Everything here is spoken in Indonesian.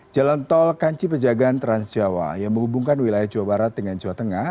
jalan tol kanci pejagaan transjawa yang menghubungkan wilayah jawa barat dengan jawa tengah